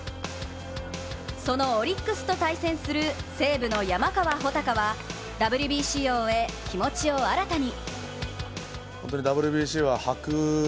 そのオリックスと対戦する西武の山川穂高はＷＢＣを終え、気持ちを新たに。